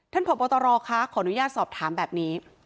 ท่านผอบอตรคะขออนุญาตสอบถามแบบนี้